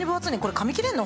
かみ切れんの？